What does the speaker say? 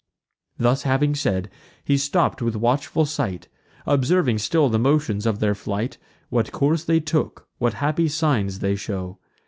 Thus having said, he stopp'd with watchful sight, Observing still the motions of their flight, What course they took, what happy signs they shew.